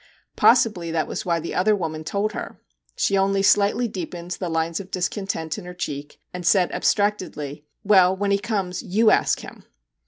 Possibly that was why the other woman told her. She only slightly deepened the lines of discontent in her cheek, and said abstractedly, ' Well, when he comes, you ask him.'